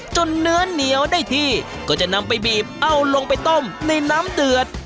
เนื้อเหนียวได้ที่ก็จะนำไปบีบเอาลงไปต้มในน้ำเดือด